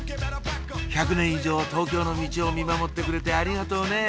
１００年以上東京のミチを見守ってくれてありがとうね